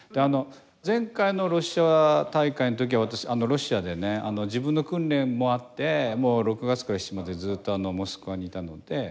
前回のロシア大会の時は私、ロシアでね自分の訓練もあって６月から７月にずっとモスクワにいたので。